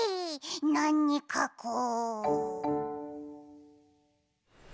なにかこう？